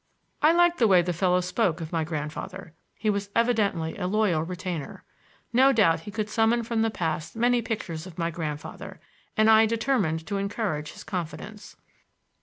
I liked the way the fellow spoke of my grandfather. He was evidently a loyal retainer. No doubt he could summon from the past many pictures of my grandfather, and I determined to encourage his confidence.